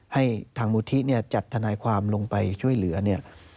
ให้ทางมูธิจัดทนายความลงไปช่วยเหลือเนี่ย